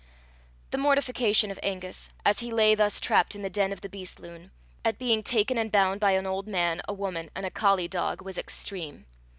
The mortification of Angus as he lay thus trapped in the den of the beast loon, at being taken and bound by an old man, a woman, and a collie dog, was extreme.